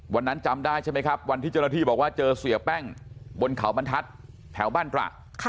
จำได้ใช่ไหมครับวันที่เจ้าหน้าที่บอกว่าเจอเสียแป้งบนเขาบรรทัศน์แถวบ้านตระ